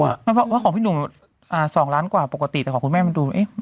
แต่ว่าไม่เพราะของพี่หนุ่มอ่า๒ล้านกว่าปกติแต่ของคุณแม่มันดูเอ๊ะ